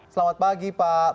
selamat pagi pak